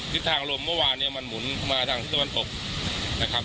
ทิศทางลมเมื่อวานเนี่ยมันหมุนมาทางทิศตะวันตกนะครับ